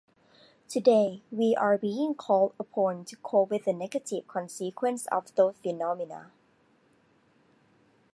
Today we are being called upon to cope with the negative consequences of those phenomena.